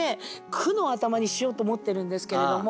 句の頭にしようと思ってるんですけれども。